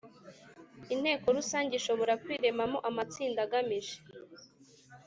Inteko rusange ishobora kwiremamo amatsinda agamije